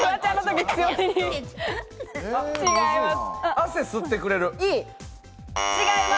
汗吸ってくれる。